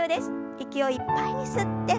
息をいっぱいに吸って。